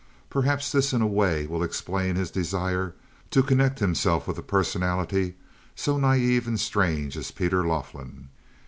Perhaps this, in a way, will explain his desire to connect himself with a personality so naive and strange as Peter Laughlin.